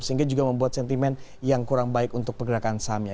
sehingga juga membuat sentimen yang kurang baik untuk pergerakan sahamnya